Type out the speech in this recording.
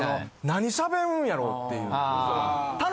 何しゃべるんやろう？っていう。